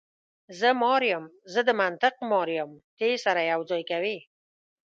زه مار یم، زه د منطق مار یم، ته یې سره یو ځای کوې.